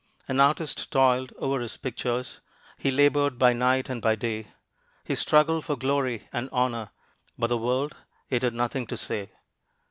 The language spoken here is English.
An artist toiled over his pictures; He labored by night and by day. He struggled for glory and honor, But the world, it had nothing to say.